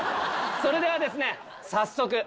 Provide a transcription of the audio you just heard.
それではですね。